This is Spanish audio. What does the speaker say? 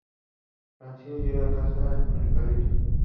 Francine llega a casa con el perrito.